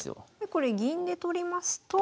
これ銀で取りますと。